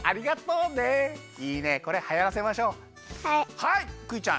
はいクイちゃん。